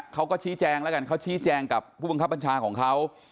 เขาก็ชี้แจงแล้วกันเขาชี้แจงกับผู้บังคับบัญชาของเขา